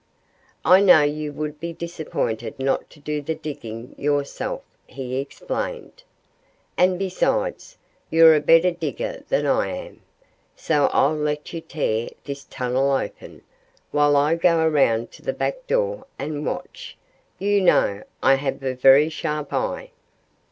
"I know you would be disappointed not to do the digging yourself," he explained. "And besides, you're a better digger than I am. So I'll let you tear this tunnel open, while I go around to the back door and watch. ... You know, I have a very sharp eye."